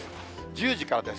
１０時からです。